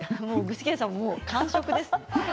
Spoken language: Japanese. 具志堅さん完食です。